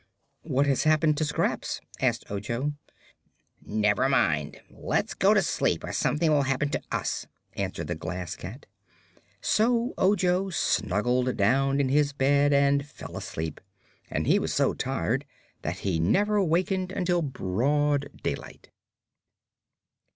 "What has happened to Scraps?" asked Ojo. "Never mind. Let's go to sleep, or something will happen to us," answered the Glass Cat. So Ojo snuggled down in his bed and fell asleep, and he was so tired that he never wakened until broad daylight.